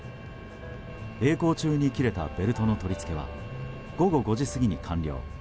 曳航中に切れたベルトの取り付けは午後５時過ぎに完了。